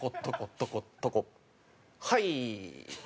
はい！